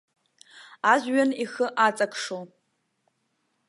Ажәҩан ихы аҵакшо.